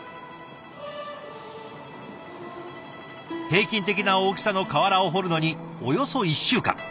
平均的な大きさの瓦を彫るのにおよそ１週間。